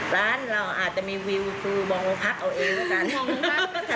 ร้านเราก็อาจจะมีวิวดูเดี๋ยวก็มองแล้วพักเอาเองดีกว่า